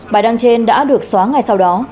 bài đăng trên đã được xóa ngay sau đó